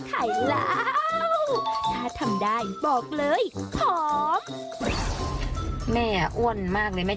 ก็แม่ไม่ได้กินข้าวไค่